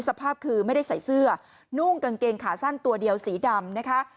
สภาพคือไม่ได้ใส่เสื้อนุ่งกางเกงขาสั้นตัวเดียวสีดำนะคะ